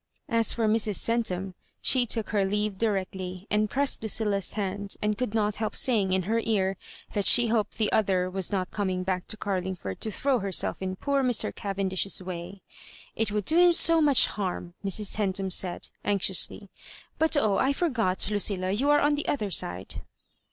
As for Mrs. Centum, she took her leave directly, and pressed Lucilla's hand, and could not help saying in her ear that she hoped the other was not coming back to CarUogford to throw herself in poor Mr. Cavendish's way. *' ft would do him so much harm," Mrs. Centum said, anxiously ;" but oh I I forgot, Lucilla, you are on the other side."